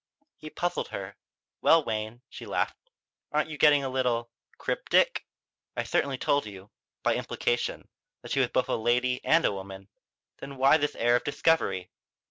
He puzzled her. "Well, Wayne," she laughed, "aren't you getting a little cryptic? I certainly told you by implication that she was both a lady and a woman. Then why this air of discovery?"